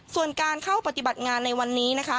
ส่วนการเข้าปฏิบัติงานในวันนี้นะคะ